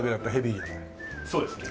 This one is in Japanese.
そうですね。